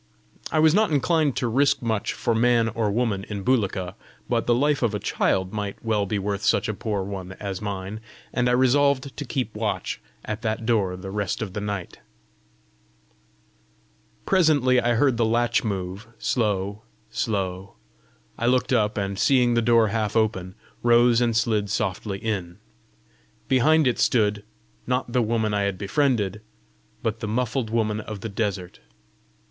I was not inclined to risk much for man or woman in Bulika, but the life of a child might well be worth such a poor one as mine, and I resolved to keep watch at that door the rest of the night. Presently I heard the latch move, slow, slow: I looked up, and seeing the door half open, rose and slid softly in. Behind it stood, not the woman I had befriended, but the muffled woman of the desert.